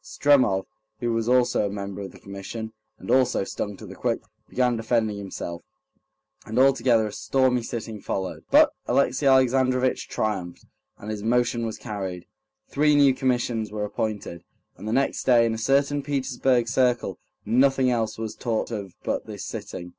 Stremov, who was also a member of the Commission, and also stung to the quick, began defending himself, and altogether a stormy sitting followed; but Alexey Alexandrovitch triumphed, and his motion was carried, three new commissions were appointed, and the next day in a certain Petersburg circle nothing else was talked of but this sitting.